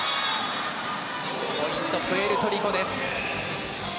ポイント、プエルトリコです。